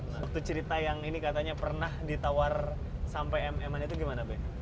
waktu cerita yang ini katanya pernah ditawar sampai mm itu gimana be